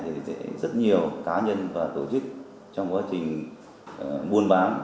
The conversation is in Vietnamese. thì sẽ rất nhiều cá nhân và tổ chức trong quá trình buôn bán